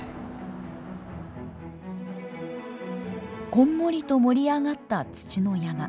こんもりと盛り上がった土の山。